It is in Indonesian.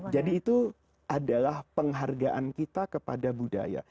jadi itu adalah penghargaan kita kepada budaya